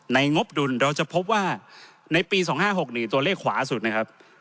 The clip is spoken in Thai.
งบดุลเราจะพบว่าในปี๒๕๖นี่ตัวเลขขวาสุดนะครับ